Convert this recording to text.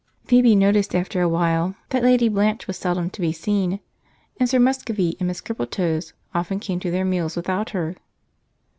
Phoebe noticed after a while that Lady Blanche was seldom to be seen, and Sir Muscovy and Miss Crippletoes often came to their meals without her.